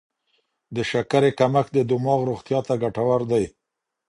د شکرې کمښت د دماغ روغتیا ته ګټور دی.